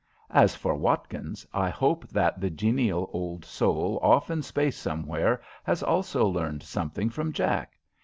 As for Watkins, I hope that the genial old soul off in space somewhere has also learned something from Jack.